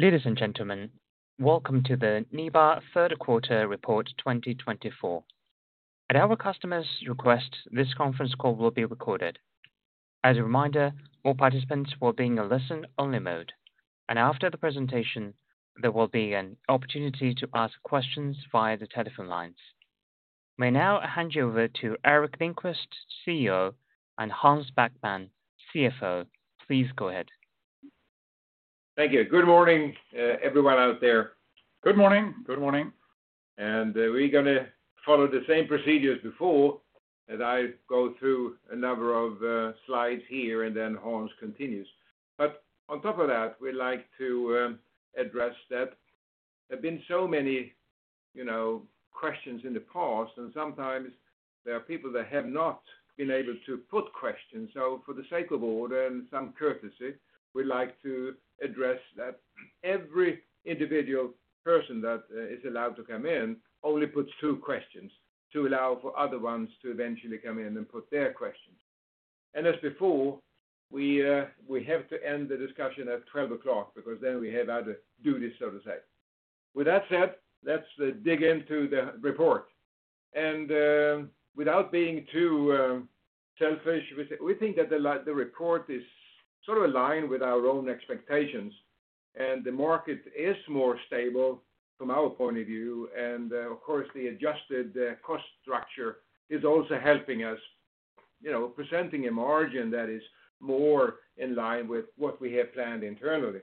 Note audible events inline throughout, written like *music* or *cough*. Ladies and gentlemen, welcome to the NIBE Third Quarter Report 2024. At our customer's request, this conference call will be recorded. As a reminder, all participants will be in a listen-only mode, and after the presentation, there will be an opportunity to ask questions via the telephone lines. May I now hand you over to Gerteric Lindquist, CEO, and Hans Backman, CFO. Please go ahead. Thank you. Good morning, everyone out there. Good morning. Good morning. And we're going to follow the same procedures before that I go through a number of slides here, and then Hans continues. But on top of that, we'd like to address that there have been so many questions in the past, and sometimes there are people that have not been able to put questions. So for the sake of order and some courtesy, we'd like to address that every individual person that is allowed to come in only puts two questions to allow for other ones to eventually come in and put their questions. And as before, we have to end the discussion at 12 o'clock because then we have other duties, so to say. With that said, let's dig into the report. And without being too selfish, we think that the report is sort of aligned with our own expectations, and the market is more stable from our point of view. And of course, the adjusted cost structure is also helping us, presenting a margin that is more in line with what we have planned internally.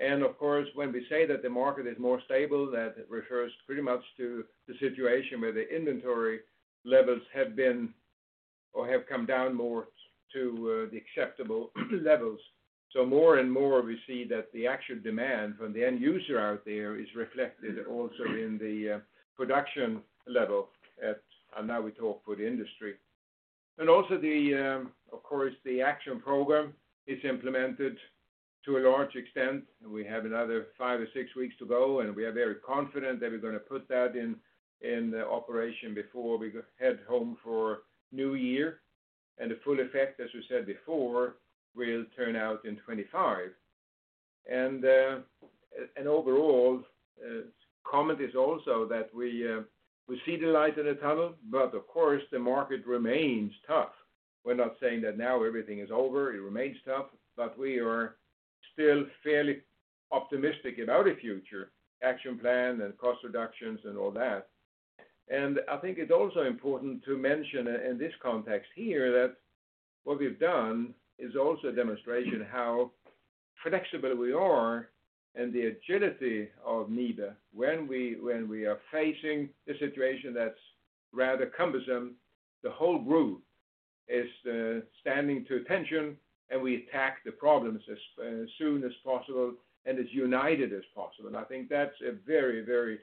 And of course, when we say that the market is more stable, that refers pretty much to the situation where the inventory levels have been or have come down more to the acceptable levels. So more and more, we see that the actual demand from the end user out there is reflected also in the production level at, and now we talk for the industry. And also, of course, the action program is implemented to a large extent. We have another five or six weeks to go, and we are very confident that we're going to put that in operation before we head home for New Year. And the full effect, as we said before, will turn out in 2025. And overall, comment is also that we see the light in the tunnel, but of course, the market remains tough. We're not saying that now everything is over. It remains tough, but we are still fairly optimistic about a future action plan and cost reductions and all that. And I think it's also important to mention in this context here that what we've done is also a demonstration of how flexible we are and the agility of NIBE when we are facing a situation that's rather cumbersome. The whole group is standing to attention, and we attack the problems as soon as possible and as united as possible. And I think that's a very, very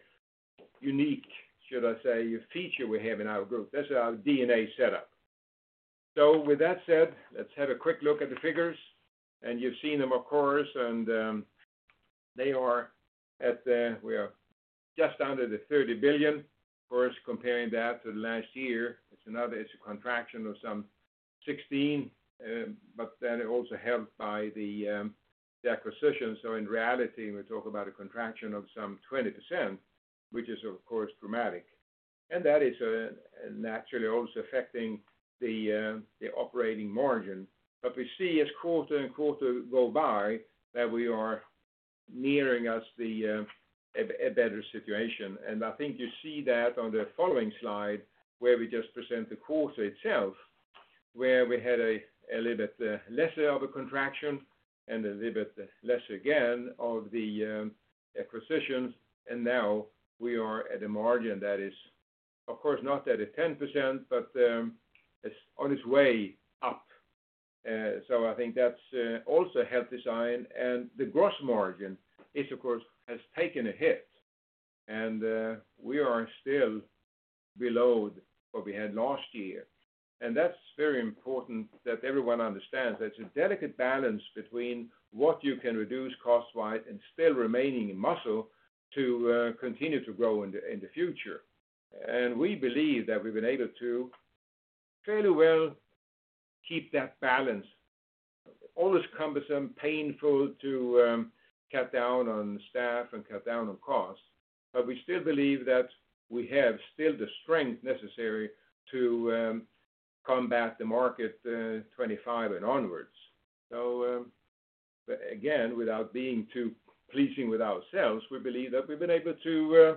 unique, should I say, feature we have in our group. That's our DNA setup. So with that said, let's have a quick look at the figures. And you've seen them, of course, and they are at the we are just under 30 billion. Of course, comparing that to last year, it's a contraction of some 16%, but then also helped by the acquisition. So in reality, we're talking about a contraction of some 20%, which is, of course, dramatic. And that is naturally also affecting the operating margin. But we see as quarter and quarter go by that we are nearing us a better situation. And I think you see that on the following slide where we just present the quarter itself, where we had a little bit lesser of a contraction and a little bit lesser again of the acquisitions. And now we are at a margin that is, of course, not at a 10%, but it's on its way up. So I think that's also helpful sign. And the gross margin is, of course, has taken a hit, and we are still below what we had last year. And that's very important that everyone understands that it's a delicate balance between what you can reduce cost-wise and still remaining muscle to continue to grow in the future. And we believe that we've been able to fairly well keep that balance. Always cumbersome, painful to cut down on staff and cut down on cost, but we still believe that we have still the strength necessary to combat the market 2025 and onwards. So again, without being too pleased with ourselves, we believe that we've been able to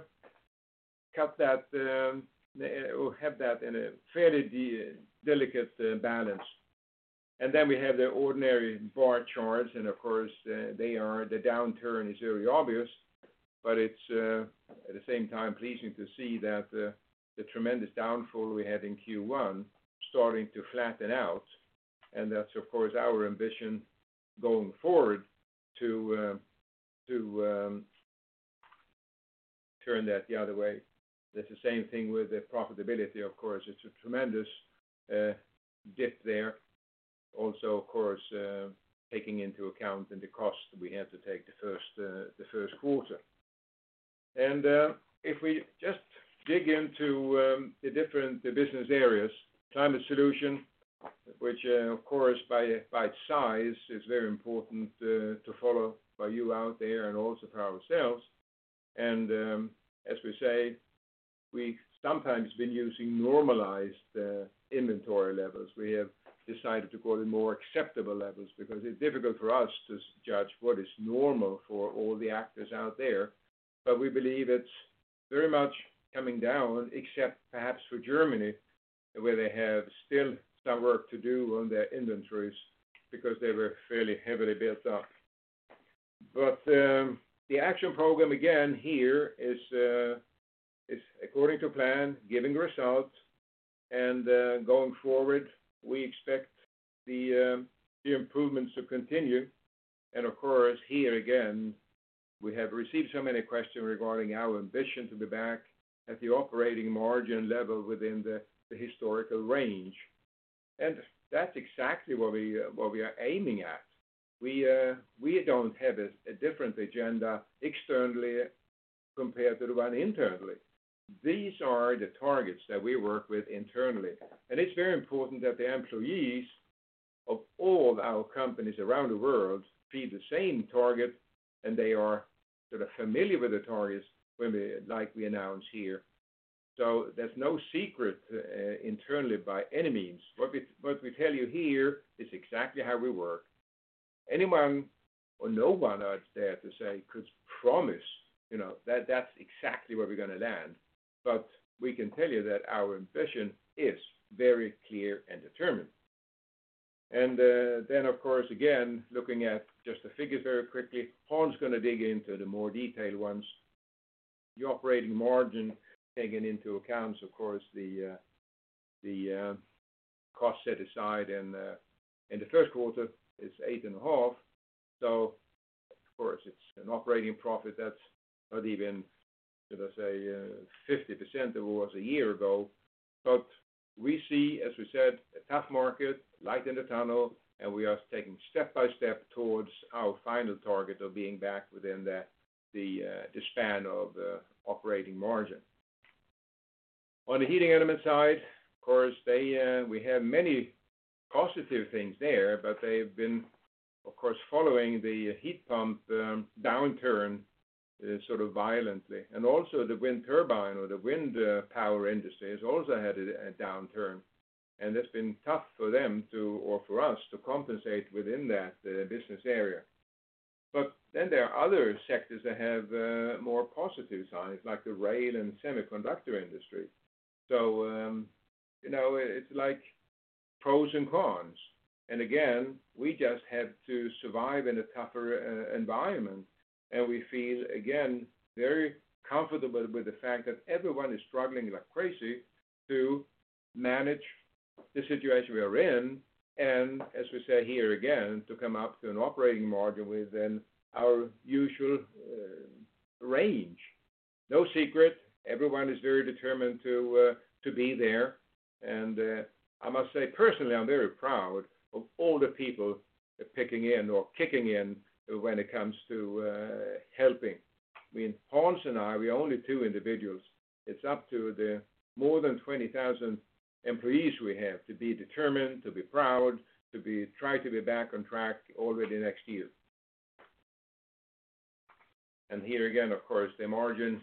cut that or have that in a fairly delicate balance. Then we have the ordinary bar charts, and of course, the downturn is very obvious, but it's at the same time pleasing to see that the tremendous downfall we had in Q1 starting to flatten out. That's, of course, our ambition going forward to turn that the other way. That's the same thing with the profitability, of course. It's a tremendous dip there. Also, of course, taking into account the cost we had to take the first quarter. If we just dig into the different business areas, Climate Solutions, which, of course, by its size, is very important to follow by you out there and also for ourselves. As we say, we've sometimes been using normalized inventory levels. We have decided to call it more acceptable levels because it's difficult for us to judge what is normal for all the actors out there. But we believe it's very much coming down, except perhaps for Germany, where they have still some work to do on their inventories because they were fairly heavily built up. But the action program, again, here is, according to plan, giving results. And going forward, we expect the improvements to continue. And of course, here again, we have received so many questions regarding our ambition to be back at the operating margin level within the historical range. And that's exactly what we are aiming at. We don't have a different agenda externally compared to the one internally. These are the targets that we work with internally. And it's very important that the employees of all our companies around the world feed the same target, and they are sort of familiar with the targets like we announced here. So there's no secret internally by any means. What we tell you here is exactly how we work. Anyone or no one out there to say could promise that that's exactly where we're going to land, but we can tell you that our ambition is very clear and determined, and then, of course, again, looking at just the figures very quickly, Hans is going to dig into the more detailed ones. The operating margin taken into account, of course, the cost set aside in the first quarter is 8.5%. So of course, it's an operating profit that's not even, should I say, 50% of what was a year ago, but we see, as we said, a tough market, light in the tunnel, and we are taking step by step towards our final target of being back within the span of operating margin. On the heating element side, of course, we have many positive things there, but they've been, of course, following the heat pump downturn sort of violently, and also the wind turbine or the wind power industry has also had a downturn. It's been tough for them or for us to compensate within that business area, but then there are other sectors that have more positive signs, like the rail and semiconductor industry. It's like pros and cons, and again, we just have to survive in a tougher environment. We feel, again, very comfortable with the fact that everyone is struggling like crazy to manage the situation we are in, and as we say here, again, to come up to an operating margin within our usual range. No secret, everyone is very determined to be there. And I must say, personally, I'm very proud of all the people pitching in when it comes to helping. I mean, Hans and I, we're only two individuals. It's up to the more than 20,000 employees we have to be determined, to be proud, to try to be back on track already next year. And here again, of course, the margin,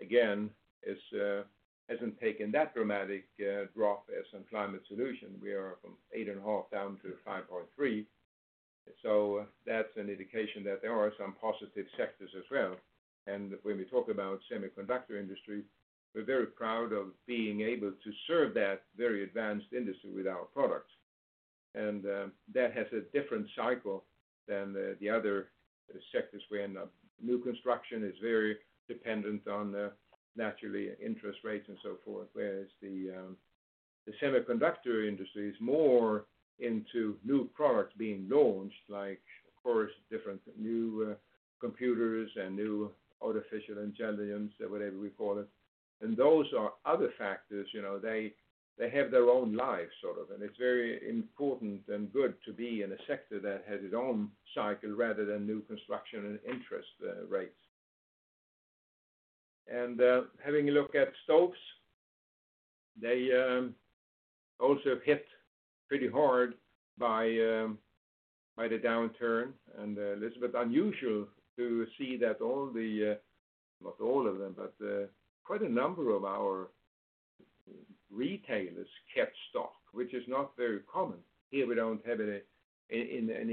again, hasn't taken that dramatic drop as in Climate Solutions. We are from 8.5 down to 5.3. So that's an indication that there are some positive sectors as well. And when we talk about semiconductor industry, we're very proud of being able to serve that very advanced industry with our products. That has a different cycle than the other sectors where new construction is very dependent on naturally interest rates and so forth, whereas the semiconductor industry is more into new products being launched, like, of course, different new computers and new artificial intelligence, whatever we call it. And those are other factors. They have their own lives, sort of. And it is very important and good to be in a sector that has its own cycle rather than new construction and interest rates. And having a look at stocks, they also have hit pretty hard by the downturn. And it is a bit unusual to see that all the, not all of them, but quite a number of our retailers kept stock, which is not very common. Here we do not have any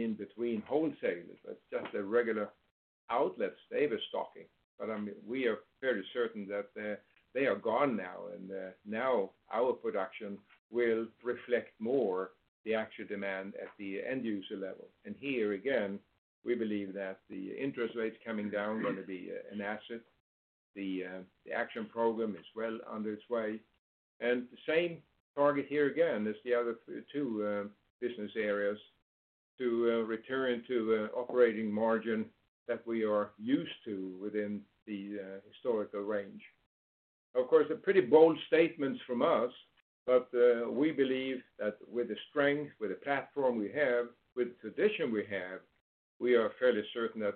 in-between wholesalers. That is just a regular outlet stable stocking. But we are fairly certain that they are gone now. Now our production will reflect more the actual demand at the end user level. Here again, we believe that the interest rate's coming down, going to be an asset. The action program is well under way. The same target here again is the other two business areas to return to operating margin that we are used to within the historical range. Of course, they're pretty bold statements from us, but we believe that with the strength, with the platform we have, with the tradition we have, we are fairly certain that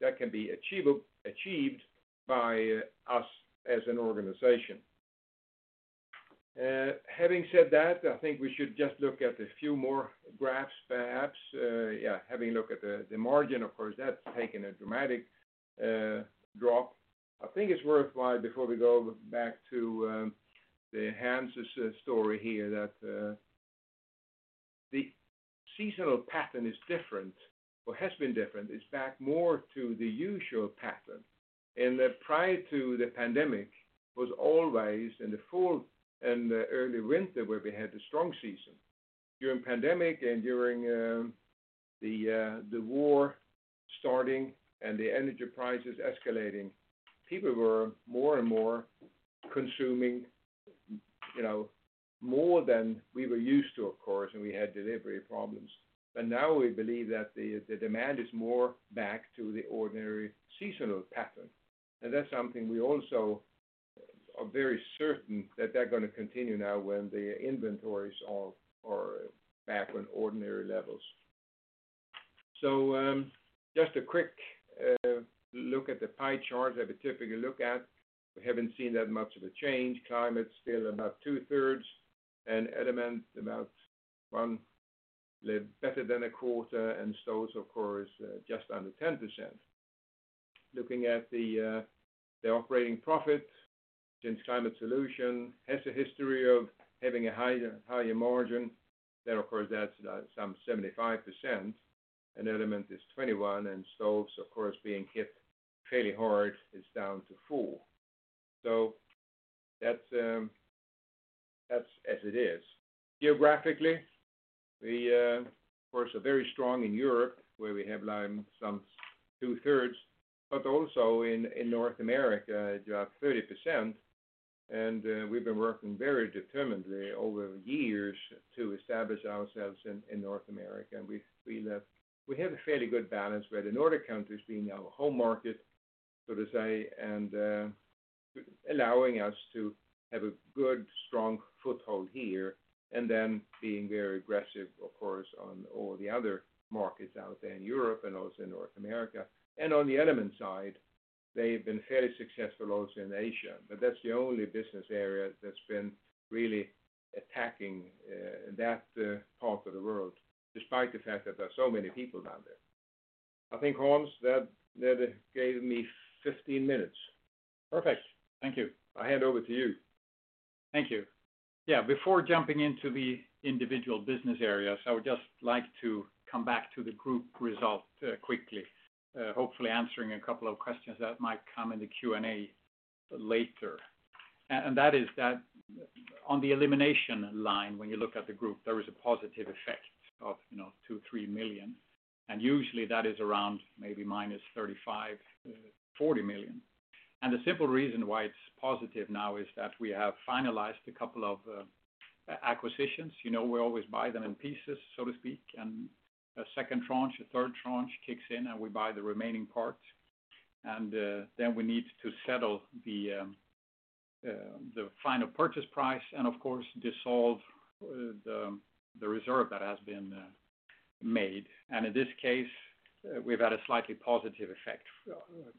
that can be achieved by us as an organization. Having said that, I think we should just look at a few more graphs, perhaps. Yeah, having a look at the margin, of course, that's taken a dramatic drop. I think it's worthwhile before we go back to Hans's story here that the seasonal pattern is different or has been different. It's back more to the usual pattern. Prior to the pandemic, it was always in the fall and early winter where we had the strong season. During pandemic and during the war starting and the energy prices escalating, people were more and more consuming more than we were used to, of course, and we had delivery problems. Now we believe that the demand is more back to the ordinary seasonal pattern. That's something we also are very certain that they're going to continue now when the inventories are back on ordinary levels. Just a quick look at the pie chart that we typically look at. We haven't seen that much of a change. Climate's still about two-thirds and Element about one-third, better than a quarter, and Stoves, of course, just under 10%. Looking at the operating profit, since Climate Solutions has a history of having a higher margin, then, of course, that's some 75%. Element is 21%, and Stoves, of course, being hit fairly hard, is down to 4%. That's as it is. Geographically, we're, of course, very strong in Europe, where we have some two-thirds, but also in North America, we have 30%. We've been working very determinedly over the years to establish ourselves in North America. We have a fairly good balance where the Nordic countries being our home market, so to say, and allowing us to have a good, strong foothold here, and then being very aggressive, of course, on all the other markets out there in Europe and also in North America. On the element side, they've been fairly successful also in Asia. That's the only business area that's been really attacking that part of the world, despite the fact that there are so many people down there. I think, Hans, that gave me 15 minutes. Perfect. Thank you. I hand over to you. Thank you. Yeah, before jumping into the individual business areas, I would just like to come back to the group result quickly, hopefully answering a couple of questions that might come in the Q&A later, and that is that on the elimination line, when you look at the group, there was a positive effect of 2-3 million. And usually, that is around maybe -35-40 million, and the simple reason why it's positive now is that we have finalized a couple of acquisitions. We always buy them in pieces, so to speak, and a second tranche, a third tranche kicks in, and we buy the remaining parts, and then we need to settle the final purchase price and, of course, dissolve the reserve that has been made, and in this case, we've had a slightly positive effect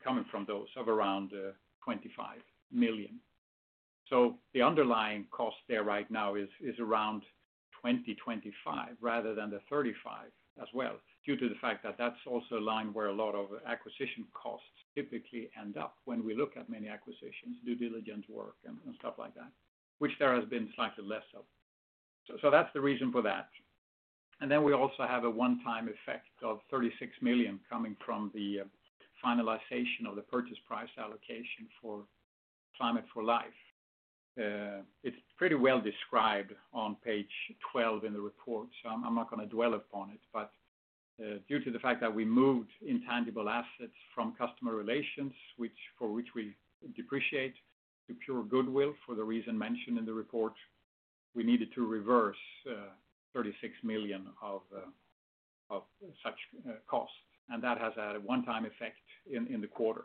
coming from those of around 25 million. The underlying cost there right now is around 20-25 rather than the 35 as well, due to the fact that that's also a line where a lot of acquisition costs typically end up when we look at many acquisitions, due diligence work and stuff like that, which there has been slightly less of. So that's the reason for that. And then we also have a one-time effect of 36 million coming from the finalization of the purchase price allocation for Climate for Life. It's pretty well described on page 12 in the report, so I'm not going to dwell upon it. But due to the fact that we moved intangible assets from customer relations, for which we depreciate, to pure goodwill for the reason mentioned in the report, we needed to reverse 36 million of such costs. And that has had a one-time effect in the quarter.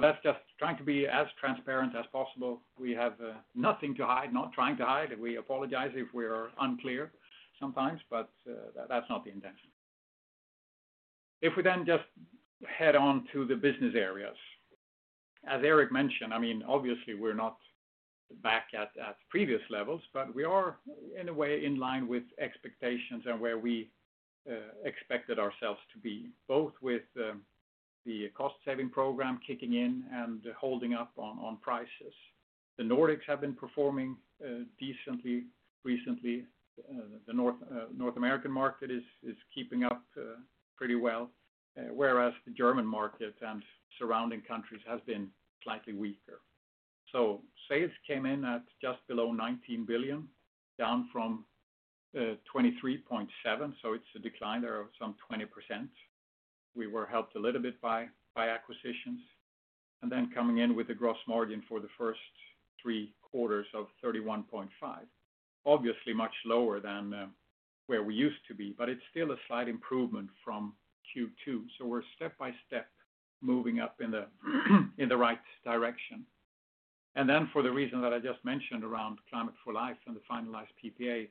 That's just trying to be as transparent as possible. We have nothing to hide, not trying to hide. We apologize if we're unclear sometimes, but that's not the intention. If we then just head on to the business areas. As Gerteric mentioned, I mean, obviously, we're not back at previous levels, but we are in a way in line with expectations and where we expected ourselves to be, both with the cost-saving program kicking in and holding up on prices. The Nordics have been performing decently recently. The North American market is keeping up pretty well, whereas the German market and surrounding countries have been slightly weaker. So sales came in at just below 19 billion, down from 23.7 billion. So it's a decline there of some 20%. We were helped a little bit by acquisitions. And then coming in with the gross margin for the first three quarters of 31.5%, obviously much lower than where we used to be, but it's still a slight improvement from Q2. So we're step by step moving up in the right direction. And then for the reason that I just mentioned around Climate for Life and the finalized PPA,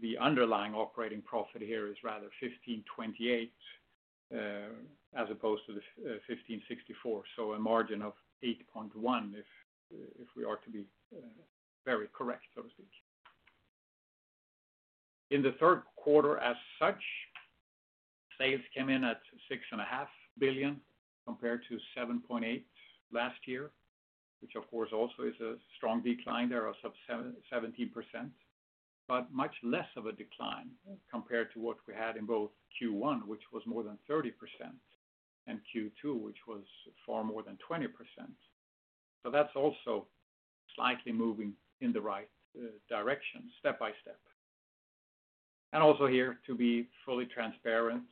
the underlying operating profit here is rather 15.28 as opposed to the 15.64, so a margin of 8.1% if we are to be very correct, so to speak. In the third quarter as such, sales came in at 6.5 billion compared to 7.8 billion last year, which, of course, also is a strong decline there of 17%, but much less of a decline compared to what we had in both Q1, which was more than 30%, and Q2, which was far more than 20%. So that's also slightly moving in the right direction, step by step. And also here, to be fully transparent,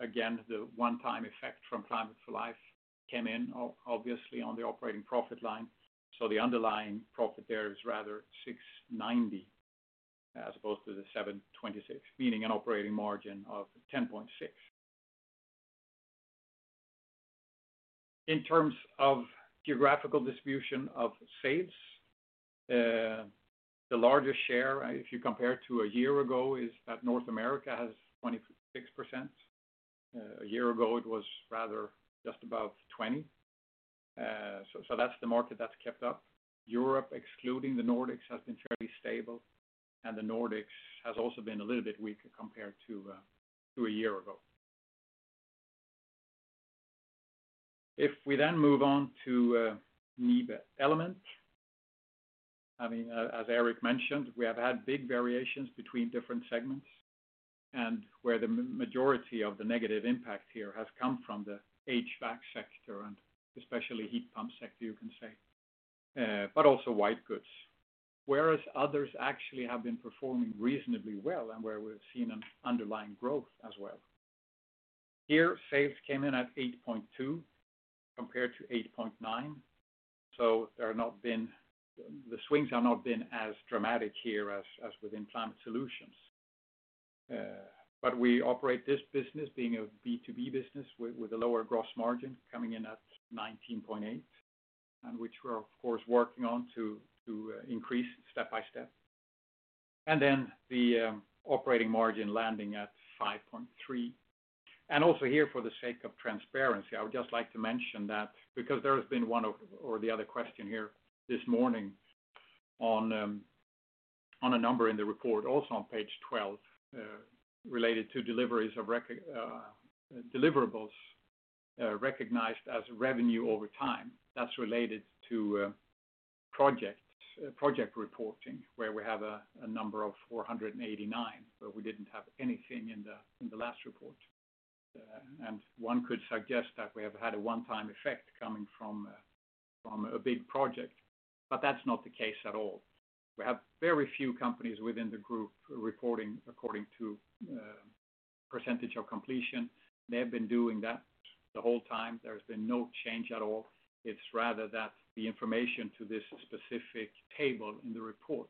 again, the one-time effect from Climate for Life came in, obviously, on the operating profit line. So the underlying profit there is rather 6.90 as opposed to the 7.26, meaning an operating margin of 10.6%. In terms of geographical distribution of sales, the largest share, if you compare to a year ago, is that North America has 26%. A year ago, it was rather just above 20%. So that's the market that's kept up. Europe, excluding the Nordics, has been fairly stable. And the Nordics has also been a little bit weaker compared to a year ago. If we then move on to NIBE Element, I mean, as Gerteric mentioned, we have had big variations between different segments and where the majority of the negative impact here has come from the HVAC sector and especially heat pump sector, you can say, but also white goods, whereas others actually have been performing reasonably well and where we've seen an underlying growth as well. Here, sales came in at 8.2 compared to 8.9. So the swings have not been as dramatic here as within Climate Solutions. But we operate this business being a B2B business with a lower gross margin coming in at 19.8%, and which we're, of course, working on to increase step by step. And then the operating margin landing at 5.3%. And also here, for the sake of transparency, I would just like to mention that because there has been one or the other question here this morning on a number in the report, also on page 12, related to deliveries of deliverables recognized as revenue over time. That's related to project reporting, where we have a number of 489, but we didn't have anything in the last report. And one could suggest that we have had a one-time effect coming from a big project, but that's not the case at all. We have very few companies within the group reporting according to percentage of completion. They've been doing that the whole time. There has been no change at all. It's rather that the information to this specific table in the report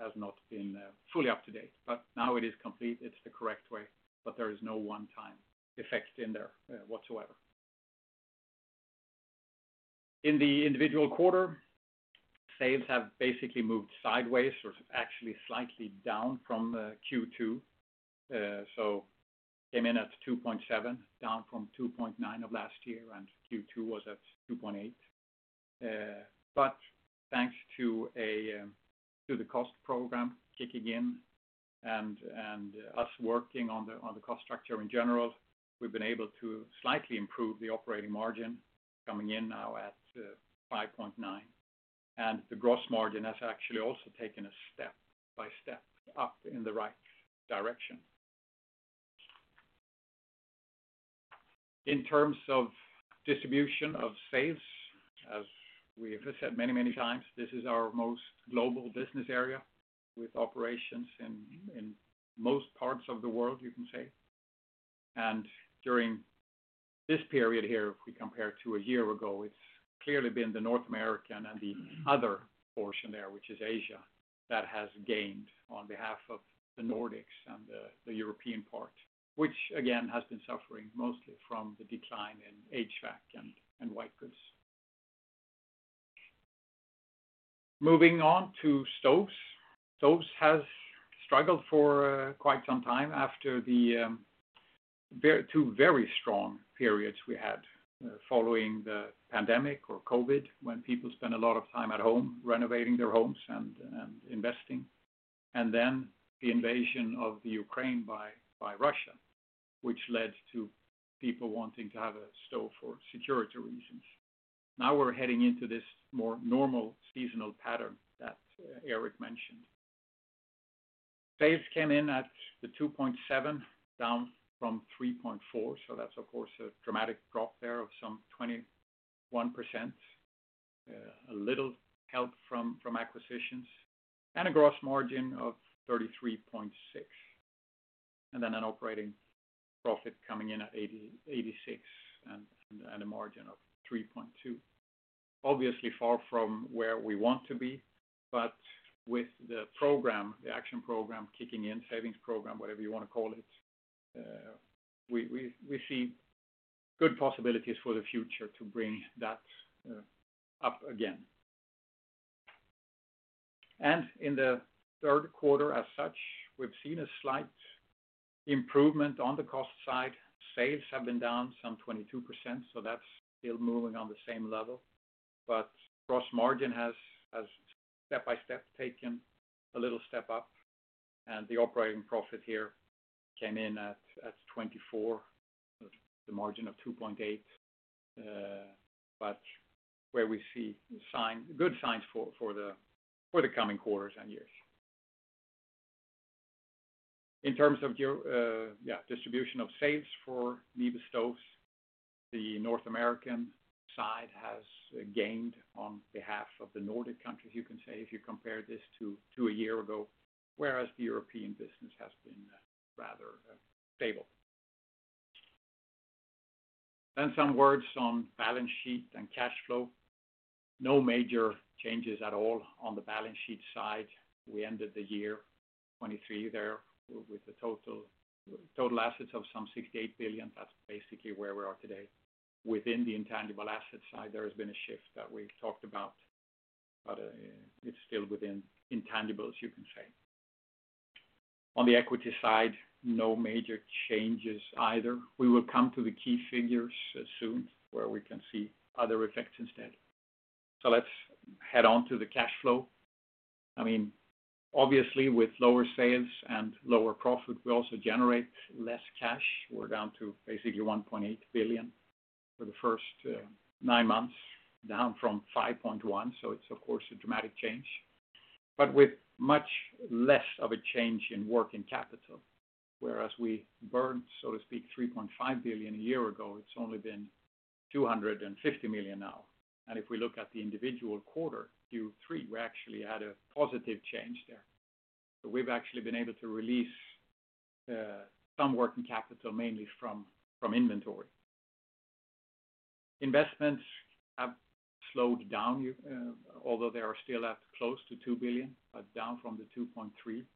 has not been fully up to date. But now it is complete. It's the correct way. But there is no one-time effect in there whatsoever. In the individual quarter, sales have basically moved sideways or actually slightly down from Q2. So came in at 2.7, down from 2.9 of last year, and Q2 was at 2.8. But thanks to the cost program kicking in and us working on the cost structure in general, we've been able to slightly improve the operating margin coming in now at 5.9. And the gross margin has actually also taken a step by step up in the right direction. In terms of distribution of sales, as we have said many, many times, this is our most global business area with operations in most parts of the world, you can say. During this period here, if we compare to a year ago, it's clearly been the North American and the other portion there, which is Asia, that has gained on behalf of the Nordics and the European part, which, again, has been suffering mostly from the decline in HVAC and white goods. Moving on to stoves. Stoves has struggled for quite some time after the two very strong periods we had following the pandemic or COVID, when people spent a lot of time at home renovating their homes and investing. Then the invasion of Ukraine by Russia, which led to people wanting to have a stove for security reasons. Now we're heading into this more normal seasonal pattern that Gerteric mentioned. Sales came in at the 2.7, down from 3.4. So that's, of course, a dramatic drop there of some 21%, a little help from acquisitions, and a gross margin of 33.6%. And then an operating profit coming in at 86 and a margin of 3.2%. Obviously, far from where we want to be, but with the program, the action program kicking in, savings program, whatever you want to call it, we see good possibilities for the future to bring that up again. And in the third quarter as such, we've seen a slight improvement on the cost side. Sales have been down some 22%, so that's still moving on the same level. But gross margin has step by step taken a little step up. And the operating profit here came in at 24, the margin of 2.8%, but where we see good signs for the coming quarters and years. In terms of distribution of sales for NIBE Stoves, the North American side has gained on behalf of the Nordic countries, you can say, if you compare this to a year ago, whereas the European business has been rather stable. Then some words on balance sheet and cash flow. No major changes at all on the balance sheet side. We ended the year 2023 there with a total assets of some 68 billion. That's basically where we are today. Within the intangible asset side, there has been a shift that we talked about, but it's still within intangibles, you can say. On the equity side, no major changes either. We will come to the key figures soon where we can see other effects instead. So let's head on to the cash flow. I mean, obviously, with lower sales and lower profit, we also generate less cash. We're down to basically 1.8 billion for the first nine months, down from 5.1 billion. So it's, of course, a dramatic change. But with much less of a change in working capital, whereas we burned, so to speak, 3.5 billion a year ago, it's only been 250 million now. And if we look at the individual quarter, Q3, we actually had a positive change there. So we've actually been able to release some working capital mainly from inventory. Investments have slowed down, although they are still at close to 2 billion, but down from the 2.3 billion.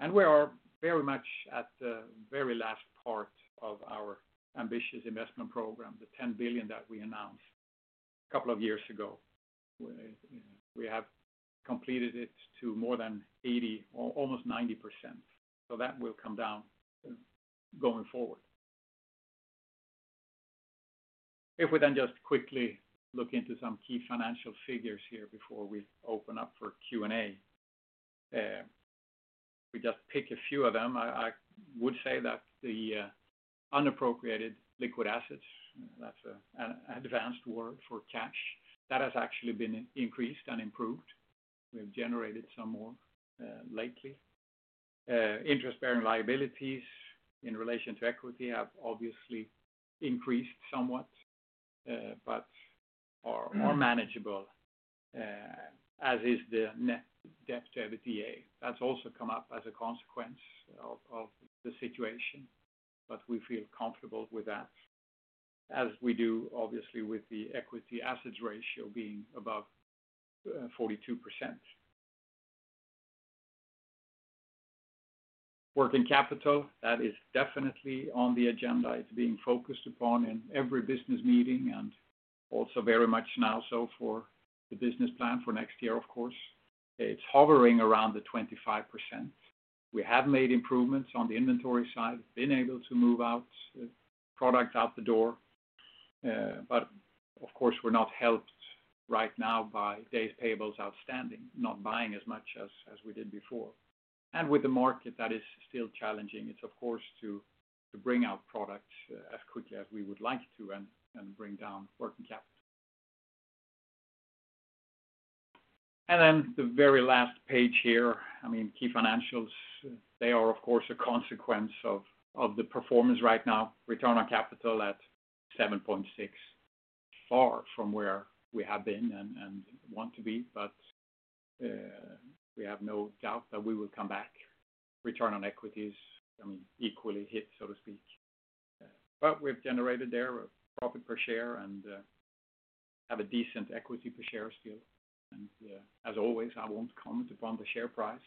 And we are very much at the very last part of our ambitious investment program, the 10 billion that we announced a couple of years ago. We have completed it to more than 80% or almost 90%. So that will come down going forward. If we then just quickly look into some key financial figures here before we open up for Q&A, we just pick a few of them. I would say that the unappropriated liquid assets, that's an advanced word for cash, that has actually been increased and improved. We've generated some more lately. Interest-bearing liabilities in relation to equity have obviously increased somewhat, but are manageable, as is the debt to EBITDA. That's also come up as a consequence of the situation, but we feel comfortable with that, as we do, obviously, with the equity assets ratio being above 42%. Working capital, that is definitely on the agenda. It's being focused upon in every business meeting and also very much now so for the business plan for next year, of course. It's hovering around the 25%. We have made improvements on the inventory side, been able to move product out the door. But, of course, we're not helped right now by days payables outstanding, not buying as much as we did before. And with the market, that is still challenging. It's, of course, to bring out product as quickly as we would like to and bring down working capital. And then the very last page here, I mean, key financials, they are, of course, a consequence of the performance right now. Return on capital at 7.6%, far from where we have been and want to be, but we have no doubt that we will come back. Return on equity, I mean, equally hit, so to speak. But we've generated there a profit per share and have a decent equity per share still. And as always, I won't comment upon the share price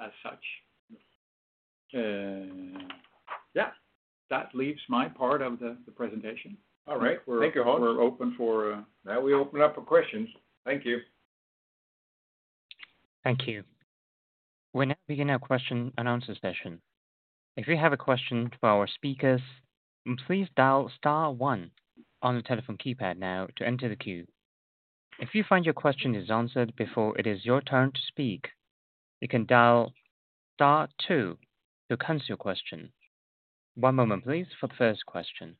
as such. Yeah, that leaves my part of the presentation. All right. Thank you, Hans. We're open for now. We open up for questions. Thank you. Thank you. We're now beginning a question and answer session. If you have a question for our speakers, please dial star one on the telephone keypad now to enter the queue. If you find your question is answered before it is your turn to speak, you can dial star two to cancel your question. One moment, please, for the first question.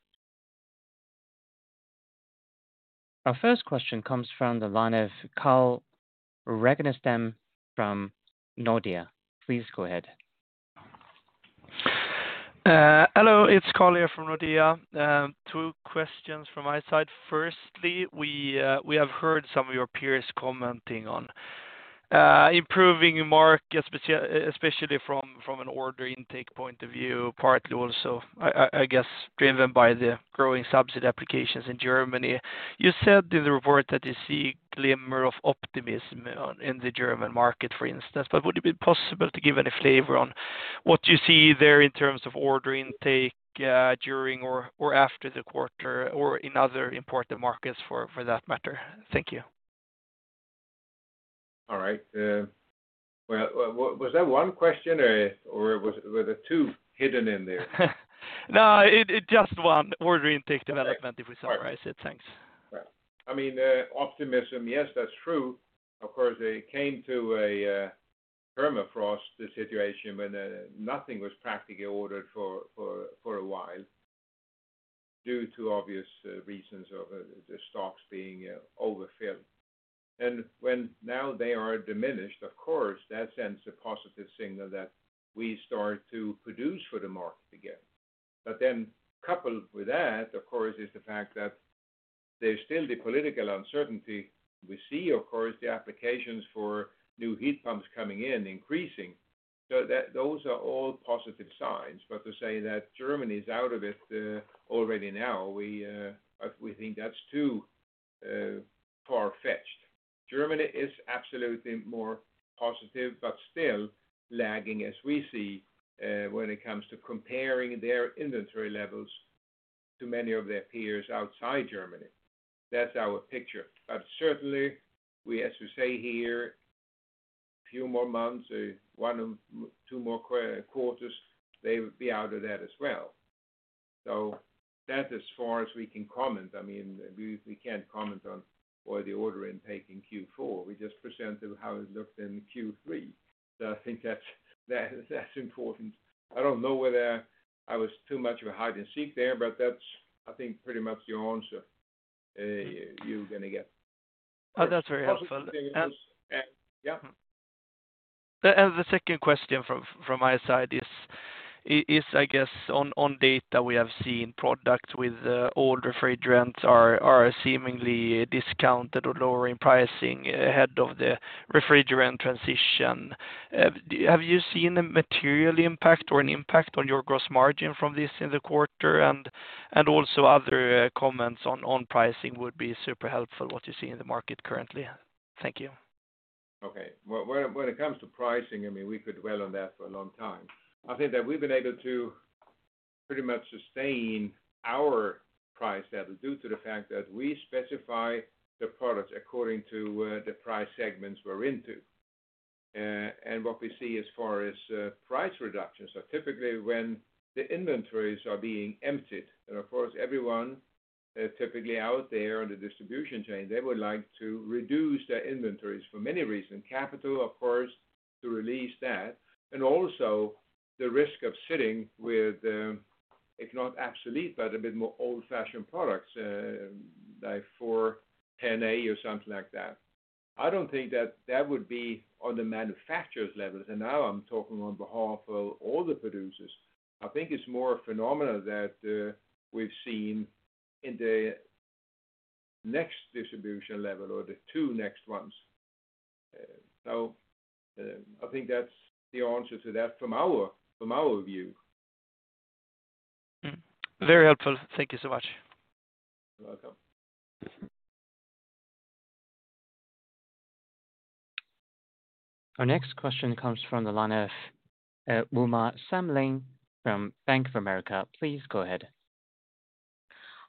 Our first question comes from the line of Carl Ragnerstam from Nordea. Please go ahead. Hello, it's Carl here from Nordea. Two questions from my side. Firstly, we have heard some of your peers commenting on improving markets, especially from an order intake point of view, partly also, I guess, driven by the growing subsidy applications in Germany. You said in the report that you see a glimmer of optimism in the German market, for instance. But would it be possible to give any flavor on what you see there in terms of order intake during or after the quarter or in other important markets for that matter? Thank you. All right. Was that one question, or were there two hidden in there? No, just one. Order intake development, if we summarize it. Thanks. I mean, optimism, yes, that's true. Of course, it came to a permafrost situation when nothing was practically ordered for a while due to obvious reasons of the stocks being overfilled. And when now they are diminished, of course, that sends a positive signal that we start to produce for the market again. But then coupled with that, of course, is the fact that there's still the political uncertainty. We see, of course, the applications for new heat pumps coming in increasing. So those are all positive signs. But to say that Germany is out of it already now, we think that's too far-fetched. Germany is absolutely more positive, but still lagging, as we see, when it comes to comparing their inventory levels to many of their peers outside Germany. That's our picture. But certainly, we, as we say here, a few more months, one or two more quarters, they will be out of that as well. So that is as far as we can comment. I mean, we can't comment on why the order intake in Q4. We just presented how it looked in Q3. So I think that's important. I don't know whether I was too much of a hide-and-seek there, but that's, I think, pretty much the answer you're going to get. That's very helpful. Yeah. And the second question from my side is, I guess, on data we have seen, products with all refrigerants are seemingly discounted or lower in pricing ahead of the refrigerant transition. Have you seen a material impact or an impact on your gross margin from this in the quarter? And also other comments on pricing would be super helpful, what you see in the market currently. Thank you. Okay. When it comes to pricing, I mean, we could dwell on that for a long time. I think that we've been able to pretty much sustain our price level due to the fact that we specify the products according to the price segments we're into. And what we see as far as price reductions are typically when the inventories are being emptied. And of course, everyone typically out there on the distribution chain, they would like to reduce their inventories for many reasons. Capital, of course, to release that. And also the risk of sitting with, if not obsolete, but a bit more old-fashioned products like 410A or something like that. I don't think that that would be on the manufacturers' level. And now I'm talking on behalf of all the producers. I think it's more a phenomenon that we've seen in the next distribution level or the two next ones. So I think that's the answer to that from our view. Very helpful. Thank you so much. You're welcome. Our next question comes from the line of Uma Samlin from Bank of America. Please go ahead.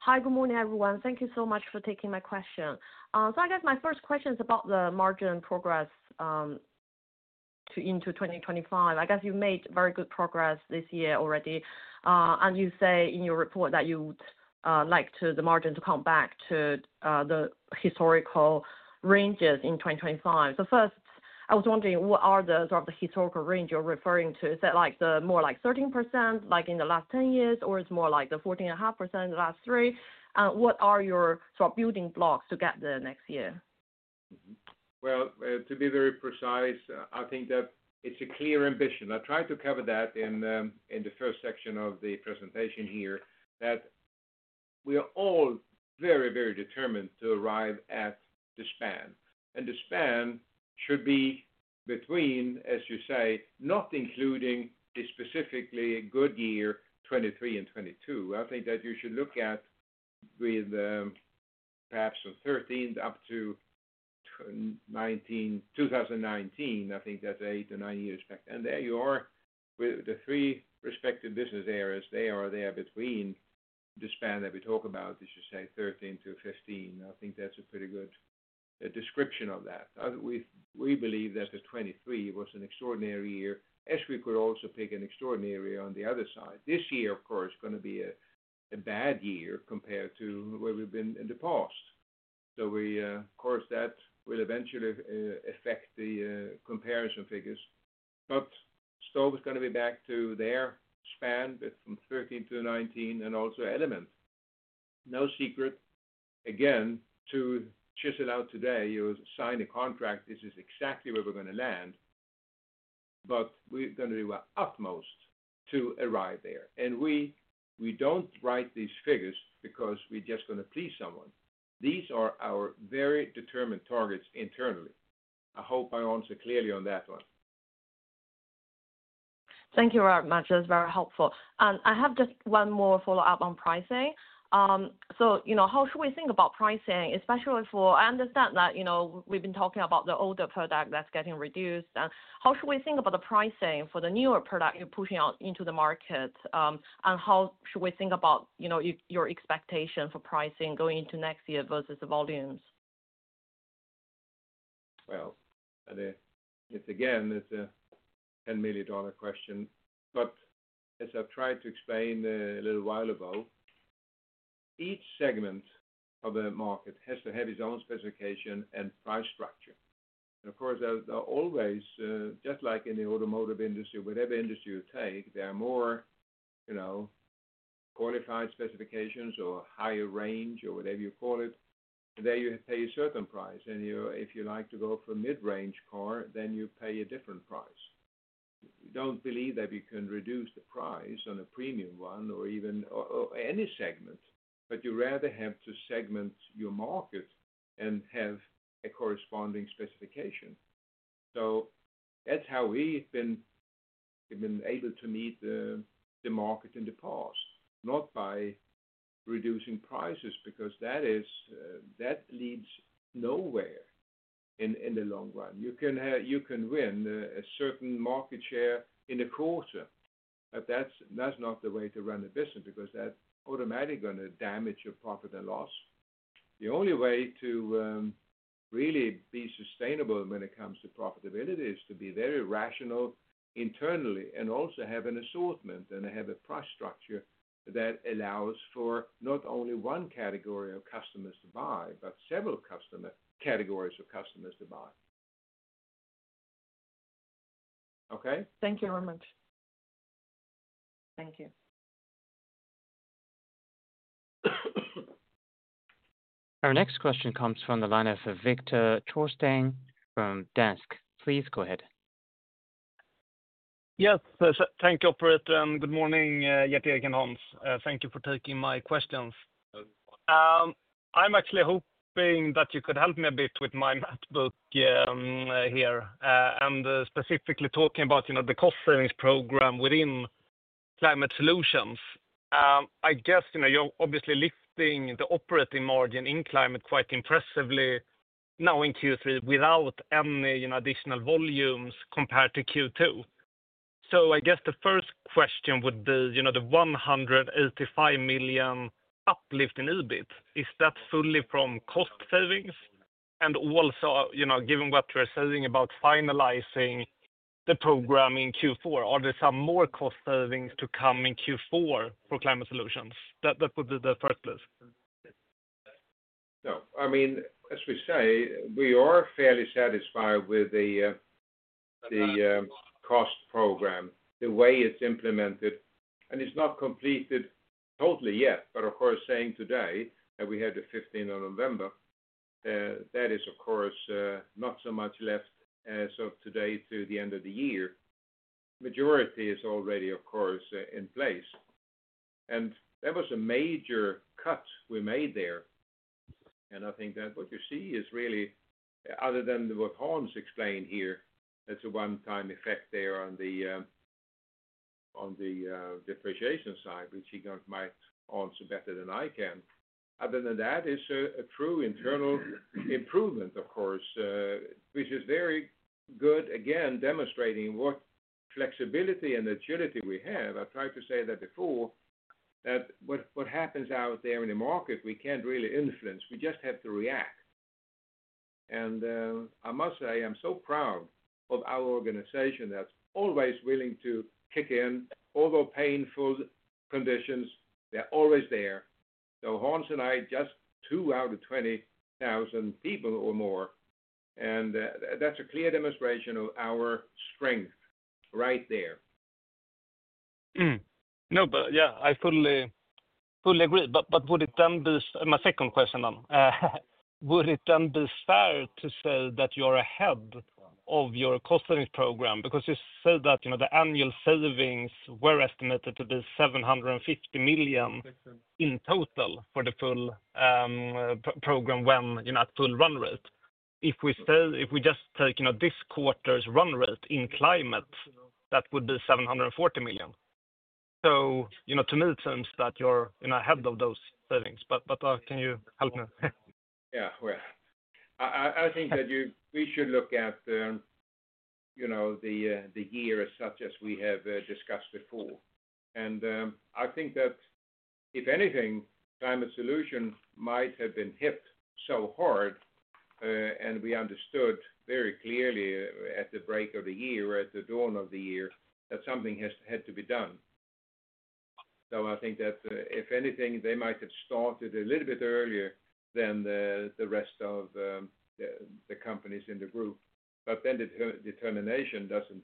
Hi, good morning, everyone. Thank you so much for taking my question. I guess my first question is about the margin progress into 2025. I guess you've made very good progress this year already. And you say in your report that you would like the margin to come back to the historical ranges in 2025. First, I was wondering, what are the sort of the historical range you're referring to? Is that more like 13% in the last 10 years, or it's more like the 14.5% in the last three? And what are your sort of building blocks to get there next year? Well, to be very precise, I think that it's a clear ambition. I tried to cover that in the first section of the presentation here, that we are all very, very determined to arrive at the span. And the span should be between, as you say, not including specifically good year 2023 and 2022. I think that you should look at with perhaps from 2013 up to 2019. I think that's eight to nine years back. And there you are with the three respective business areas. They are there between the span that we talk about, as you say, 2013 to 2015. I think that's a pretty good description of that. We believe that the 2023 was an extraordinary year, as we could also pick an extraordinary year on the other side. This year, of course, is going to be a bad year compared to where we've been in the past. So of course, that will eventually affect the comparison figures. But still, it's going to be back to their span from 2013 to 2019 and also element. No secret, again, to guess it out today, sign a contract. This is exactly where we're going to land. But we're going to do our utmost to arrive there. And we don't write these figures because we're just going to please someone. These are our very determined targets internally. I hope I answered clearly on that one. Thank you very much. That was very helpful. And I have just one more follow-up on pricing. So how should we think about pricing, especially as I understand that we've been talking about the older product that's getting reduced? And how should we think about the pricing for the newer product you're pushing out into the market? And how should we think about your expectation for pricing going into next year versus the volumes? Well, it's again, it's a million dollar question. But as I've tried to explain a little while ago, each segment of the market has to have its own specification and price structure. Of course, there are always, just like in the automotive industry, whatever industry you take, there are more qualified specifications or higher range or whatever you call it. There you pay a certain price. If you like to go for a mid-range car, then you pay a different price. You don't believe that you can reduce the price on a premium one or even any segment, but you rather have to segment your market and have a corresponding specification. That's how we've been able to meet the market in the past, not by reducing prices, because that leads nowhere in the long run. You can win a certain market share in a quarter, but that's not the way to run a business because that's automatically going to damage your profit and loss. The only way to really be sustainable when it comes to profitability is to be very rational internally and also have an assortment and have a price structure that allows for not only one category of customers to buy, but several categories of customers to buy. Okay? Thank you very much. Thank you. Our next question comes from the line of Viktor Trollsten from Danske. Please go ahead. Yes, thank you, Operator. Good morning, Gerteric and Hans. Thank you for taking my questions. I'm actually hoping that you could help me a bit with my model here and specifically talking about the cost-savings program within Climate Solutions. I guess you're obviously lifting the operating margin in climate quite impressively now in Q3 without any additional volumes compared to Q2. So I guess the first question would be the 185 million uplift in EBIT. Is that fully from cost savings? And also, given what you're saying about finalizing the program in Q4, are there some more cost savings to come in Q4 for Climate Solutions? That would be the first question. I mean, as we say, we are fairly satisfied with the cost program, the way it's implemented. And it's not completed totally yet, but of course, saying today that we had the 15th of November, that is, of course, not so much left as of today to the end of the year. Majority is already, of course, in place. And that was a major cut we made there. And I think that what you see is really, other than what Hans explained here, that's a one-time effect there on the depreciation side, which he might answer better than I can. Other than that, it's a true internal improvement, of course, which is very good, again, demonstrating what flexibility and agility we have. I tried to say that before, that what happens out there in the market, we can't really influence. We just have to react, and I must say, I'm so proud of our organization that's always willing to kick in, although painful conditions, they're always there, so Hans and I just two out of 20,000 people or more, and that's a clear demonstration of our strength right there. No, but yeah, I fully agree, but would it then be my second question, then? Would it then be fair to say that you're ahead of your cost-savings program? Because you said that the annual savings were estimated to be 750 million in total for the full program when at full run rate. If we just take this quarter's run rate in climate, that would be 740 million. So to me, it seems that you're ahead of those savings. But can you help me? Yeah, well, I think that we should look at the year as such as we have discussed before. And I think that, if anything, climate solution might have been hit so hard, and we understood very clearly at the break of the year or at the dawn of the year that something had to be done. So I think that, if anything, they might have started a little bit earlier than the rest of the companies in the group. But then the determination doesn't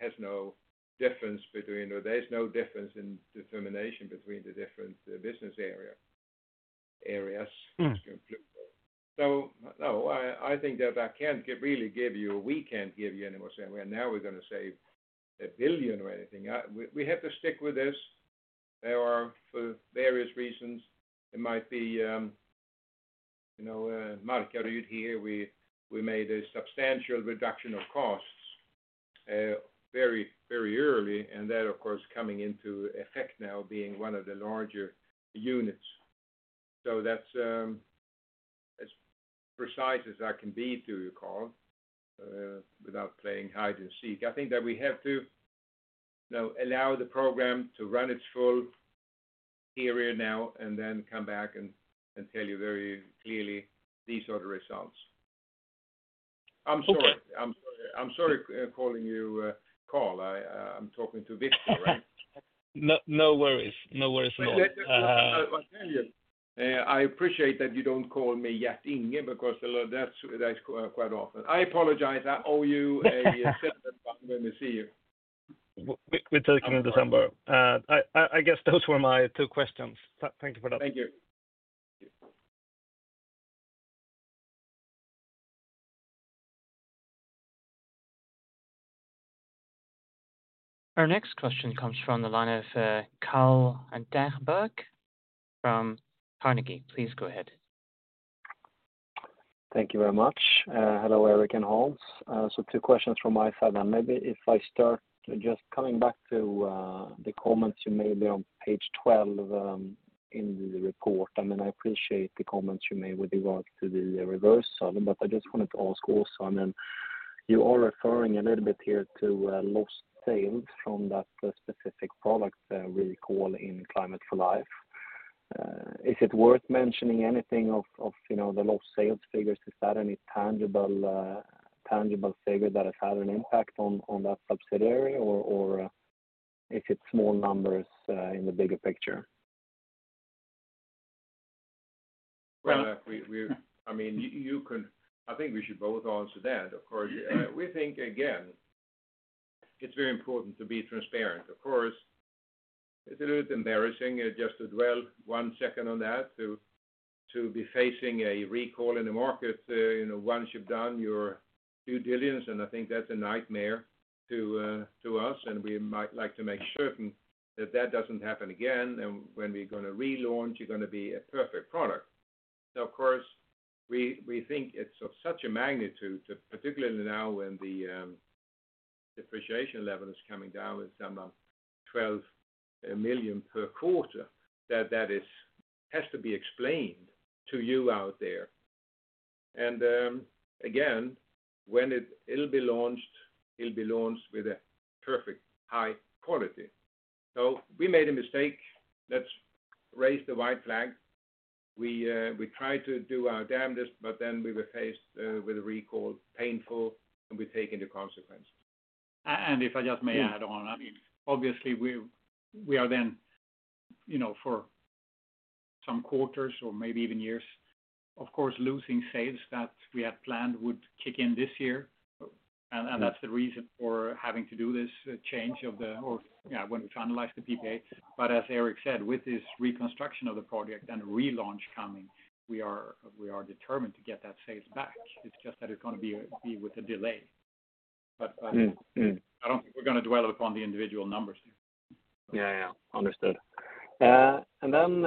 have no difference between. There's no difference in determination between the different business areas. So no, I think that I can't really give you a we can't give you anymore saying, "Well, now we're going to save a billion or anything." We have to stick with this. There are, for various reasons, it might be market here we made a substantial reduction of costs very early, and that, of course, coming into effect now being one of the larger units. So that's as precise as I can be to recall without playing hide and seek. I think that we have to allow the program to run its full period now and then come back and tell you very clearly these are the results. I'm sorry. I'm sorry calling you Carl. I'm talking to Viktor, right? No worries. No worries at all. I appreciate that you don't call me yet because that's quite often. I apologize. I owe you a silver bond when we see you. We're talking in December. I guess those were my two questions. Thank you for that. Thank you. Our next question comes from the line of Carl Deijenberg from Carnegie. Please go ahead. Thank you very much. Hello, Gerteric and Hans. So two questions from my side. And maybe if I start just coming back to the comments you made there on page 12 in the report. I mean, I appreciate the comments you made with regards to the reverse side, but I just wanted to ask also, I mean, you are referring a little bit here to lost sales from that specific product recall in Climate for Life. Is it worth mentioning anything of the lost sales figures? Is that any tangible figure that has had an impact on that subsidiary, or is it small numbers in the bigger picture? Well, I mean, I think we should both answer that. Of course, we think, again, it's very important to be transparent. Of course, it's a little embarrassing just to dwell one second on that, to be facing a recall in the market. Once you've done your due diligence, and I think that's a nightmare to us, and we might like to make certain that that doesn't happen again, and when we're going to relaunch, you're going to be a perfect product. Now, of course, we think it's of such a magnitude, particularly now when the depreciation level is coming down with some 12 million per quarter, that that has to be explained to you out there. And again, when it'll be launched, it'll be launched with a perfect high quality. So we made a mistake. Let's raise the white flag. We tried to do our damnedest, but then we were faced with a recall, painful, and we're taking the consequences. And if I just may add on, I mean, obviously, we are then for some quarters or maybe even years, of course, losing sales that we had planned would kick in this year. And that's the reason for having to do this change of the or when we finalize the PPA. But as Gerteric said, with this reconstruction of the project and the relaunch coming, we are determined to get that sales back. It's just that it's going to be with a delay. But I don't think we're going to dwell upon the individual numbers here. Yeah, yeah. Understood. And then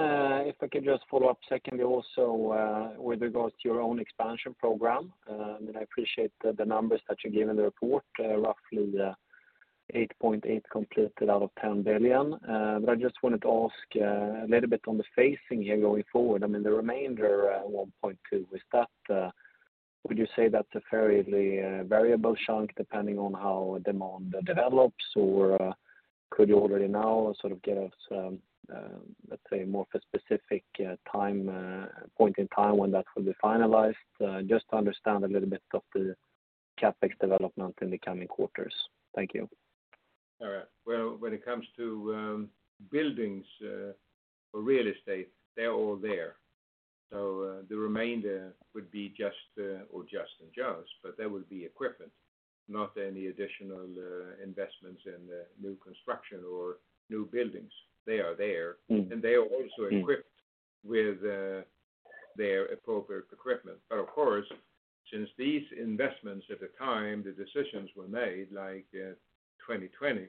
if I could just follow up secondly also with regards to your own expansion program. I mean, I appreciate the numbers that you gave in the report, roughly 8.8 billion completed out of 10 billion. But I just wanted to ask a little bit on the phasing here going forward. I mean, the remainder 1.2 billion, would you say that's a fairly variable chunk depending on how demand develops, or could you already now sort of get us, let's say, more of a specific point in time when that will be finalized just to understand a little bit of the CapEx development in the coming quarters? Thank you. All right. Well, when it comes to buildings or real estate, they're all there. So the remainder would be just equipment, but there would be equipment, not any additional investments in new construction or new buildings. They are there, and they are also equipped with their appropriate equipment, but of course, since these investments at the time the decisions were made like 2020,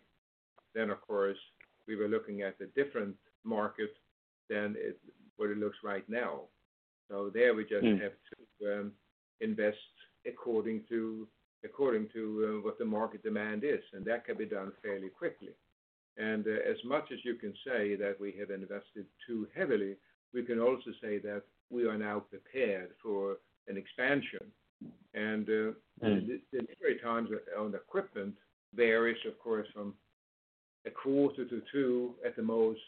then of course, we were looking at a different market than what it looks right now, so there we just have to invest according to what the market demand is, and that can be done fairly quickly, and as much as you can say that we have invested too heavily, we can also say that we are now prepared for an expansion, and the delivery times on equipment varies, of course, from a quarter to two at the most,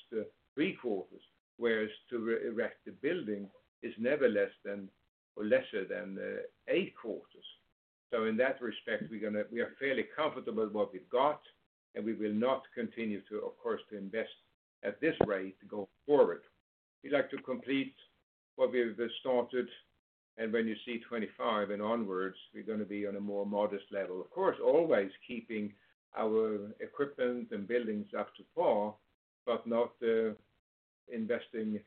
three quarters, whereas to erect a building is never less than or lesser than eight quarters, so in that respect, we are fairly comfortable with what we've got, and we will not continue to, of course, invest at this rate to go forward. We'd like to complete what we've started, and when you see 25 and onwards, we're going to be on a more modest level. Of course, always keeping our equipment and buildings up to par, but not investing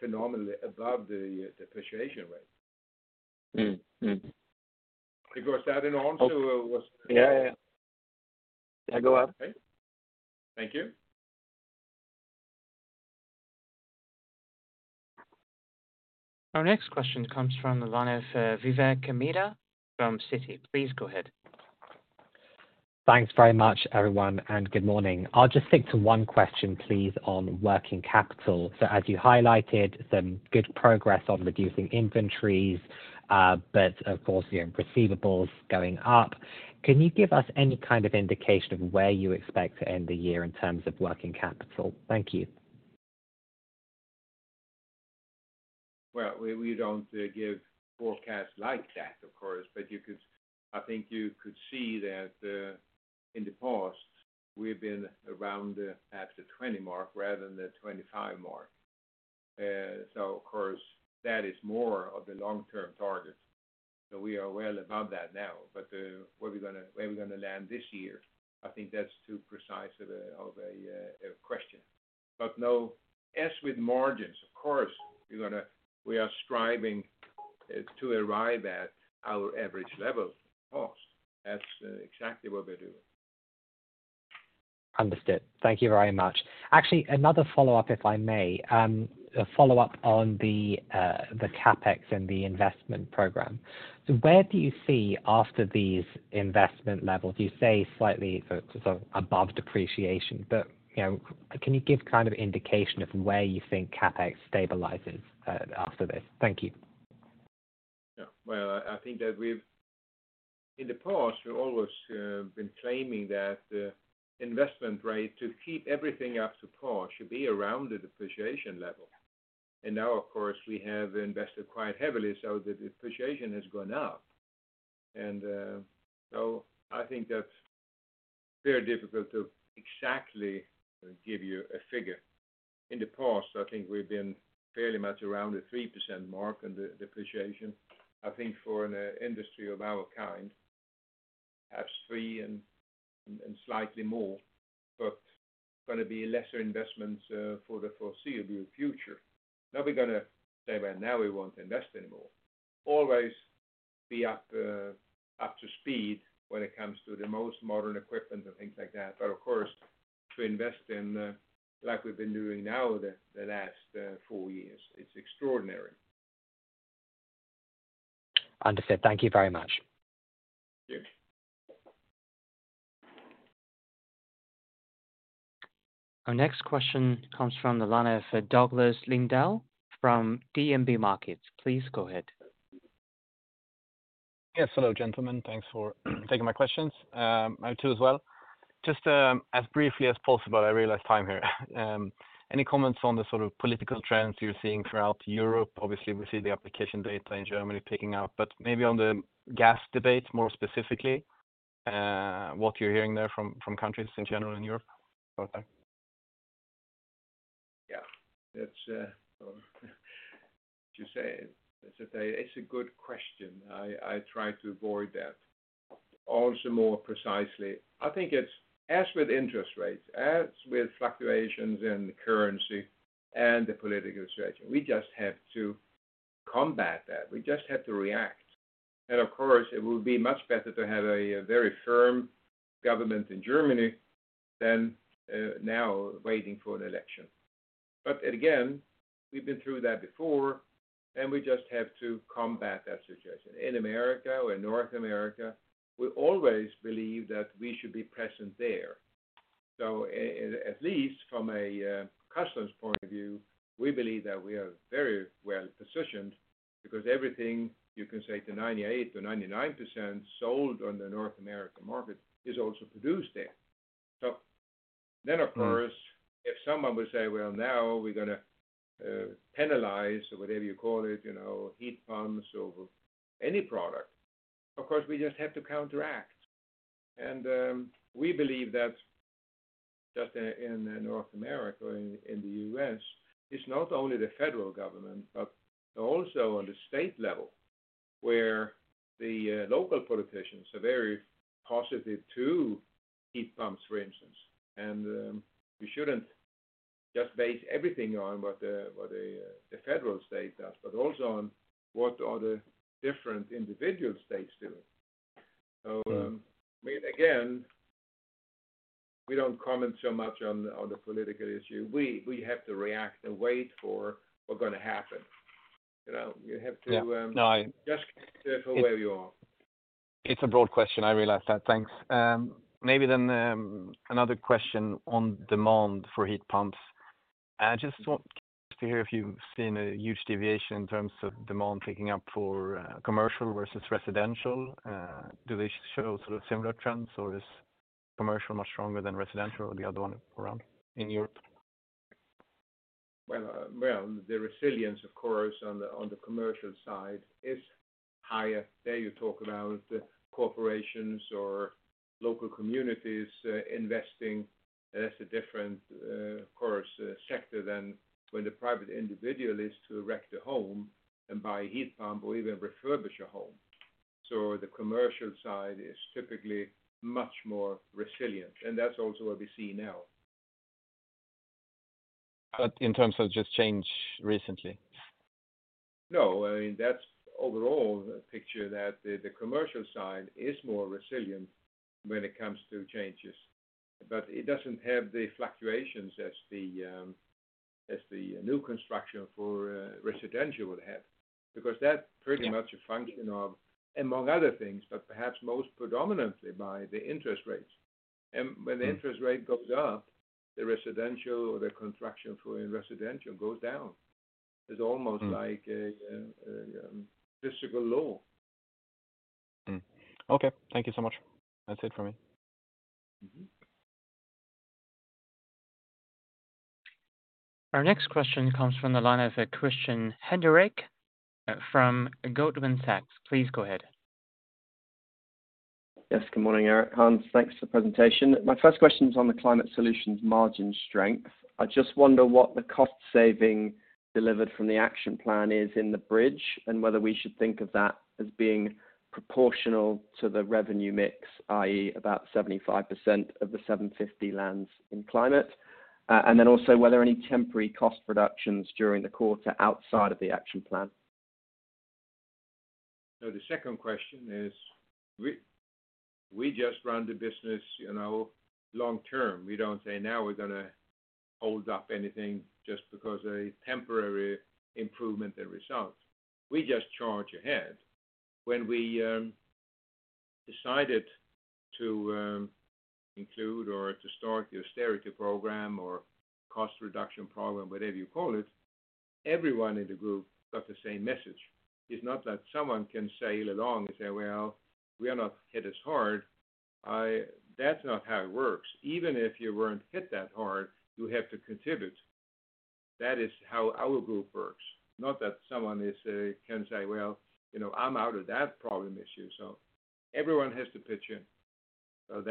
phenomenally above the depreciation rate. Because that in order was. *audio distortion* Our next question comes from the line of Vivek Midha from Citi. Please go ahead. Thanks very much, everyone, and good morning. I'll just stick to one question, please, on working capital. So as you highlighted, some good progress on reducing inventories, but of course, your receivables going up. Can you give us any kind of indication of where you expect to end the year in terms of working capital? Thank you. We don't give forecasts like that, of course, but I think you could see that in the past, we've been around at the 20 mark rather than the 25 mark. Of course, that is more of the long-term target. We are well above that now. Where are we going to land this year? I think that's too precise of a question. No, as with margins, of course, we are striving to arrive at our average level cost. That's exactly what we're doing. Understood. Thank you very much. Actually, another follow-up, if I may, a follow-up on the CapEx and the investment program. Where do you see after these investment levels, you say slightly above depreciation, but can you give kind of indication of where you think CapEx stabilizes after this? Thank you. Yeah. I think that in the past, we've always been claiming that the investment rate to keep everything up to par should be around the depreciation level. Now, of course, we have invested quite heavily so that the depreciation has gone up. I think that's very difficult to exactly give you a figure. In the past, I think we've been fairly much around the 3% mark on the depreciation. I think for an industry of our kind, perhaps 3 and slightly more, but going to be lesser investments for the foreseeable future. Now we're going to say, "Well, now we won't invest anymore." Always be up to speed when it comes to the most modern equipment and things like that. Of course, to invest in like we've been doing now the last four years, it's extraordinary. Understood. Thank you very much. Thank you. Our next question comes from the line of Douglas Lindahl from DNB Markets. Please go ahead. Yes. Hello, gentlemen. Thanks for taking my questions. I have two as well. Just as briefly as possible, I realize time here. Any comments on the sort of political trends you're seeing throughout Europe? Obviously, we see the application data in Germany picking up, but maybe on the gas debate more specifically, what you're hearing there from countries in general in Europe? Yeah. What would you say? It's a good question. I try to avoid that. Also more precisely, I think it's as with interest rates, as with fluctuations in currency and the political situation. We just have to combat that. We just have to react. And of course, it will be much better to have a very firm government in Germany than now waiting for an election. But again, we've been through that before, and we just have to combat that situation. In America or North America, we always believe that we should be present there. So at least from a customs point of view, we believe that we are very well positioned because everything you can say to 98%-99% sold on the North American market is also produced there. So then, of course, if someone would say, "Well, now we're going to penalize or whatever you call it, heat pumps or any product," of course, we just have to counteract. And we believe that just in North America or in the U.S., it's not only the federal government, but also on the state level where the local politicians are very positive to heat pumps, for instance. We shouldn't just base everything on what the federal state does, but also on what are the different individual states doing. Again, we don't comment so much on the political issue. We have to react and wait for what's going to happen. You have to just be careful where you are. It's a broad question. I realize that. Thanks. Maybe then another question on demand for heat pumps. I just want to hear if you've seen a huge deviation in terms of demand picking up for commercial versus residential. Do they show sort of similar trends, or is commercial much stronger than residential or the other one around in Europe? The resilience, of course, on the commercial side is higher. There you talk about corporations or local communities investing. That's a different, of course, sector than when the private individual is to erect a home and buy a heat pump or even refurbish a home. So the commercial side is typically much more resilient. And that's also what we see now. But in terms of just change recently? No. I mean, that's overall a picture that the commercial side is more resilient when it comes to changes. But it doesn't have the fluctuations as the new construction for residential would have because that's pretty much a function of, among other things, but perhaps most predominantly by the interest rates. And when the interest rate goes up, the residential or the construction for residential goes down. It's almost like a physical law. Okay. Thank you so much. That's it for me. Our next question comes from the line of Christian Hinderaker from Goldman Sachs. Please go ahead. Yes. Good morning, Gerteric. Hans, thanks for the presentation. My first question is on the Climate Solutions margin strength. I just wonder what the cost saving delivered from the action plan is in the bridge and whether we should think of that as being proportional to the revenue mix, i.e., about 75% of the 750 million in Climate Solutions, and then also whether any temporary cost reductions during the quarter outside of the action plan. So the second question is we just run the business long term. We don't say now we're going to hold up anything just because of a temporary improvement in results. We just charge ahead. When we decided to include or to start the austerity program or cost reduction program, whatever you call it, everyone in the group got the same message. It's not that someone can sail along and say, "Well, we are not hit as hard." That's not how it works. Even if you weren't hit that hard, you have to contribute. That is how our group works. Not that someone can say, "Well, I'm out of that problem issue." So everyone has to pitch in. So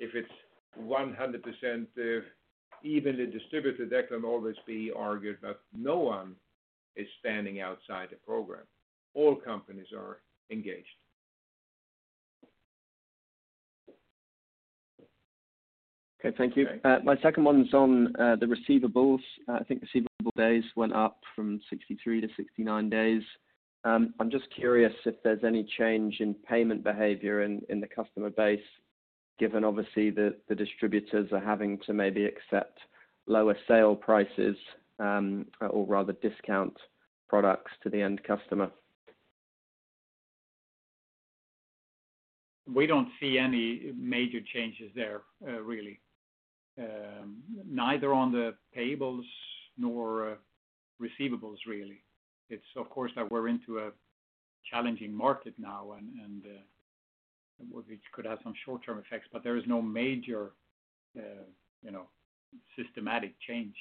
if it's 100% evenly distributed, that can always be argued, but no one is standing outside the program. All companies are engaged. Okay. Thank you. My second one is on the receivables. I think receivable days went up from 63 to 69 days. I'm just curious if there's any change in payment behavior in the customer base given, obviously, the distributors are having to maybe accept lower sale prices or rather discount products to the end customer. We don't see any major changes there, really. Neither on the payables nor receivables, really. It's, of course, that we're into a challenging market now, and it could have some short-term effects, but there is no major systematic change.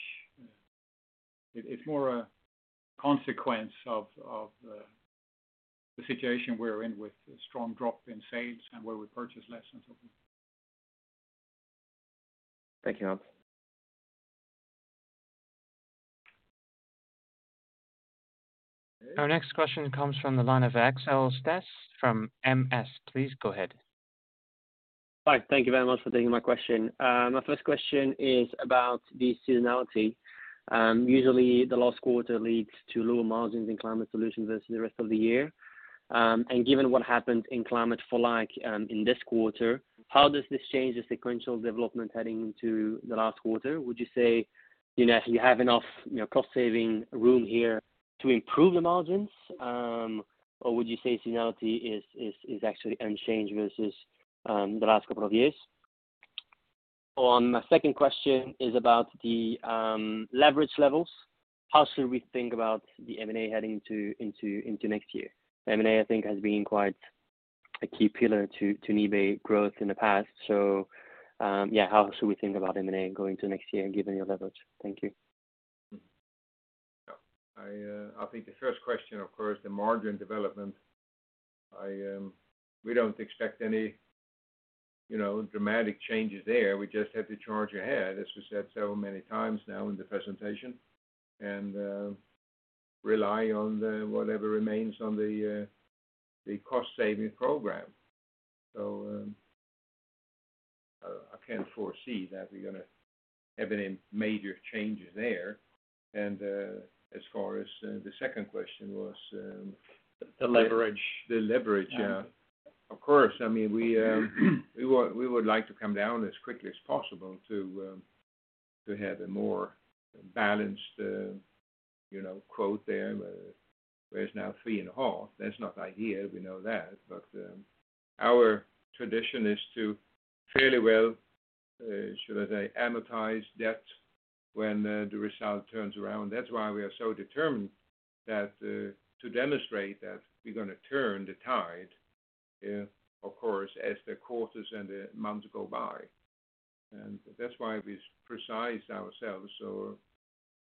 It's more a consequence of the situation we're in with a strong drop in sales and where we purchase less and so forth. Thank you, Hans. Our next question comes from the line of Axel Stasse from MS. Please go ahead. Hi. Thank you very much for taking my question. My first question is about the seasonality. Usually, the last quarter leads to lower margins in Climate Solutions versus the rest of the year. And given what happened in Climate for Life in this quarter, how does this change the sequential development heading into the last quarter? Would you say you have enough cost-saving room here to improve the margins, or would you say seasonality is actually unchanged versus the last couple of years? My second question is about the leverage levels. How should we think about the M&A heading into next year? M&A, I think, has been quite a key pillar to NIBE growth in the past. So yeah, how should we think about M&A going into next year given your leverage? Thank you. I think the first question, of course, the margin development. We don't expect any dramatic changes there. We just have to charge ahead, as we said so many times now in the presentation, and rely on whatever remains on the cost-saving program. So I can't foresee that we're going to have any major changes there. And as far as the second question was. The leverage. The leverage, yeah. Of course. I mean, we would like to come down as quickly as possible to have a more balanced debt there, whereas now 3 and a half. That's not ideal. We know that. But our tradition is to fairly well, should I say, amortize debt when the result turns around. That's why we are so determined to demonstrate that we're going to turn the tide, of course, as the quarters and the months go by. And that's why we've positioned ourselves to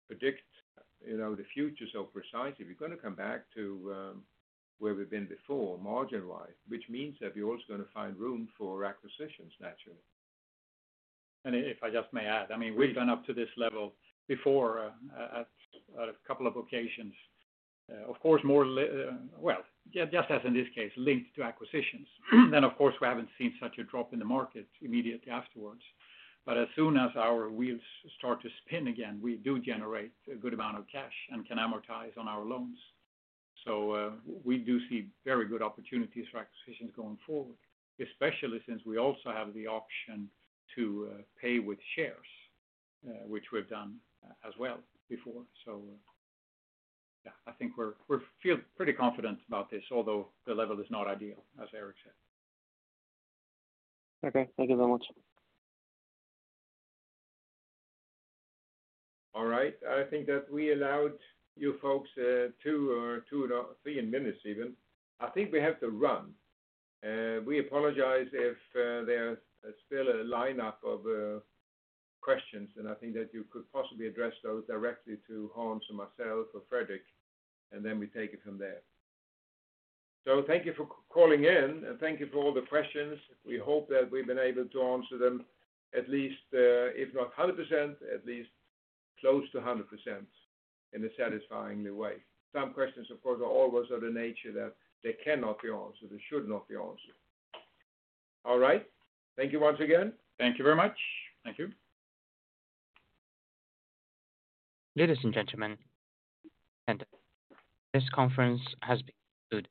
predict the future so precisely. We're going to come back to where we've been before margin-wise, which means that we're also going to find room for acquisitions, naturally. And if I just may add, I mean, we've gone up to this level before at a couple of occasions. Of course, more or less, just as in this case, linked to acquisitions. Then, of course, we haven't seen such a drop in the market immediately afterwards. But as soon as our wheels start to spin again, we do generate a good amount of cash and can amortize on our loans. So we do see very good opportunities for acquisitions going forward, especially since we also have the option to pay with shares, which we've done as well before. So yeah, I think we feel pretty confident about this, although the level is not ideal, as Gerteric said. Okay. Thank you very much. All right. I think that we allowed you folks two or three minutes even. I think we have to run. We apologize if there's still a lineup of questions, and I think that you could possibly address those directly to Hans and myself or Fredrik, and then we take it from there. So thank you for calling in, and thank you for all the questions. We hope that we've been able to answer them at least, if not 100%, at least close to 100% in a satisfying way. Some questions, of course, are always of the nature that they cannot be answered. They should not be answered. All right. Thank you once again. Thank you very much. Thank you. Ladies and gentlemen, this conference has been concluded.